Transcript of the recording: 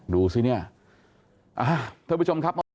ดูซินี่ทุกผู้ชมครับ